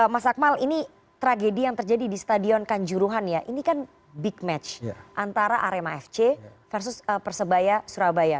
mas akmal ini tragedi yang terjadi di stadion kanjuruhan ya ini kan big match antara arema fc versus persebaya surabaya